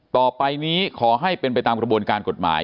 ต่อไปนี้ขอให้เป็นไปตามกระบวนการกฎหมาย